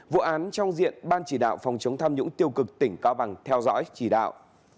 vụ án trong diện ban chỉ đạo phòng chống tham nhũng tiêu cực tỉnh cao bằng theo dõi chỉ đạo